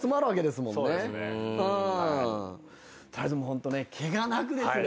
ホントねケガなくですね。